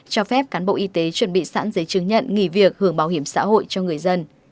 cho phép cán bộ y tế chuẩn bị sẵn giấy chứng nhận nghỉ việc hưởng bảo hiểm xã hội cho người dân